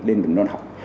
đến đường non học